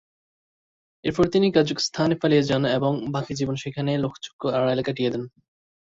এরপর তিনি কাজাখস্তানে পালিয়ে জান এবং বাকি জীবন সেখানেই লোকচক্ষুর আড়ালে কাটিয়ে দেন।